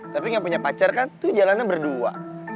tapi gak punya pacar kan itu jalannya berdua